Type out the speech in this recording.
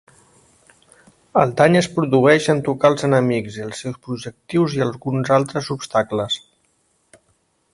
El dany es produeix en tocar els enemics i els seus projectils i alguns altres obstacles.